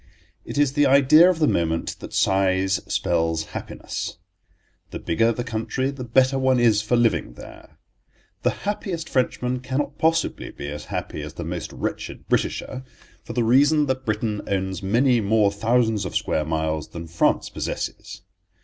It is the idea of the moment that size spells happiness. The bigger the country the better one is for living there. The happiest Frenchman cannot possibly be as happy as the most wretched Britisher, for the reason that Britain owns many more thousands of square miles than France possesses.